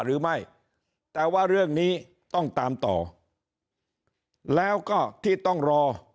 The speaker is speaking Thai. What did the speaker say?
หรือไม่แต่ว่าเรื่องนี้ต้องตามต่อแล้วก็ที่ต้องรอ